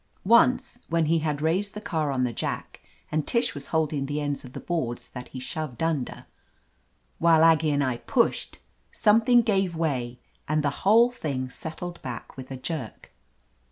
Once, when he had raised the car on the jack and Tish was holding the ends of the boards that he shoved under, while Aggie and I pushed, something gave way and the whole thing settled back with a jerk.